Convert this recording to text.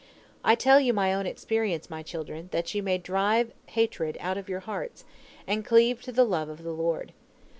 I tell you my own experience, my children, that ye may drive hatred out of your hearts, and cleave to the love of the Lord.